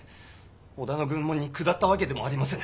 織田の軍門に下ったわけでもありませぬ。